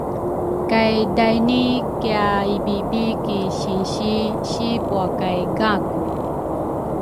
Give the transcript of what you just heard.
kay daini kiaibibi ki sinsi si pua kay gaku.